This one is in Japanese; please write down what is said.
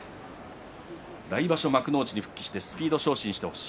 来場所、幕内に復帰してスピード昇進してほしい。